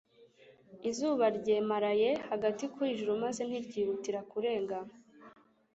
izuba ryemaraye hagati ku ijuru maze ntiryihutira kurenga